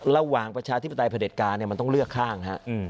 ระหว่างประชาธิปไตการมันต้องเลือกข้าง